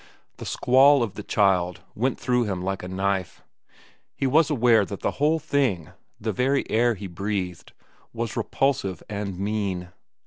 The squall of the child went through him like a knife. He was aware that the whole thing, the very air he breathed, was repulsive and mean.